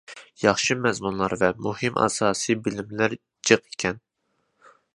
ياخشى مەزمۇنلار ۋە مۇھىم ئاساسىي بىلىملەر جىق ئىكەن.